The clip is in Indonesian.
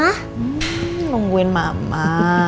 hmm tungguin mama